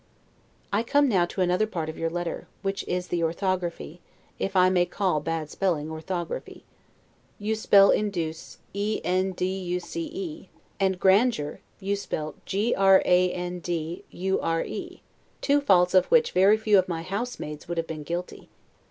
I come now to another part of your letter, which is the orthography, if I may call bad spelling ORTHOGRAPHY. You spell induce, ENDUCE; and grandeur, you spell grandURE; two faults of which few of my housemaids would have been guilty.